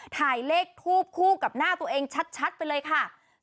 ถ่ายเลขทูบคู่กับหน้าตัวเองชัดไปเลยค่ะ